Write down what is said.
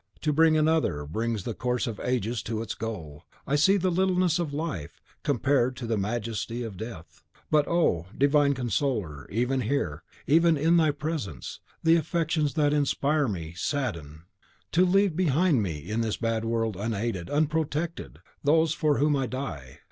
'), "so in this hour, when the sacrifice of self to another brings the course of ages to its goal, I see the littleness of Life, compared to the majesty of Death; but oh, Divine Consoler, even here, even in thy presence, the affections that inspire me, sadden. To leave behind me in this bad world, unaided, unprotected, those for whom I die!